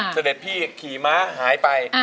เสด็จพี่ขี่ม้าหายไป